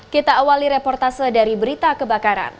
kita awali reportase dari berita kebakaran